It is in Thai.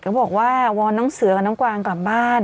ก็บอกว่าวอนน้องเสือกับน้องกวางกลับบ้าน